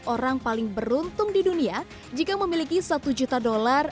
orang paling beruntung di dunia jika memiliki satu juta dolar